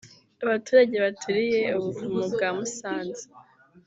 Abaturage baturiye ubuvumo bwa Musanze